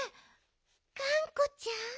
がんこちゃん。